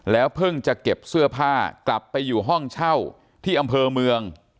เพิ่งจะเก็บเสื้อผ้ากลับไปอยู่ห้องเช่าที่อำเภอเมือง